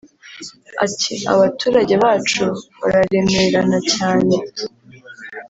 Ati ”abaturage bacu bararemerana